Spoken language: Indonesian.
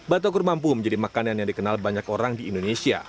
batagor mampu menjadi makanan yang dikenal banyak orang di indonesia